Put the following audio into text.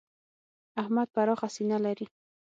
احمد پراخه سینه لري.